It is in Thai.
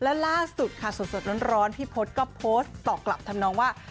และล่าสุดค่ะสดร้อนพี่พศก็โพสต์ตอบกลับทำนองว่า